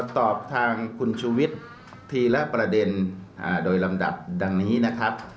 ตอบทางคุณชูวิทย์ทีละประเด็นโดยลำดับดังนี้นะครับ